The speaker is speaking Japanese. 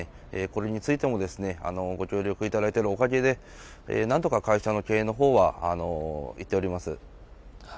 これについても、ご協力いただいているおかげで、なんとか会社の経営のほうはいっております。